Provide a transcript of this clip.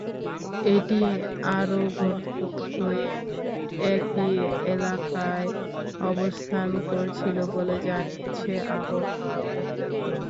এটি আরও ঘনীভূত হয়ে একই এলাকায় অবস্থান করছিল বলে জানিয়েছে আবহাওয়া অধিদপ্তর।